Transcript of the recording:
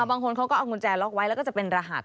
บางคนเขาก็เอากุญแจล็อกไว้แล้วก็จะเป็นรหัส